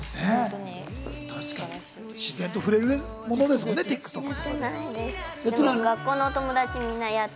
確かに、自然と触れるものですもんね、ＴｉｋＴｏｋって。